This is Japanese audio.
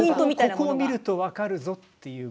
ここを見ると分かるぞという。